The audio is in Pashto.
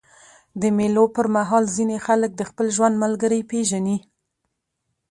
د مېلو پر مهال ځيني خلک د خپل ژوند ملګری پېژني.